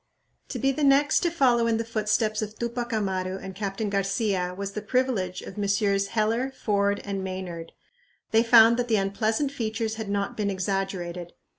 To be the next to follow in the footsteps of Tupac Amaru and Captain Garcia was the privilege of Messrs. Heller, Ford, and Maynard. They found that the unpleasant features had not been exaggerated.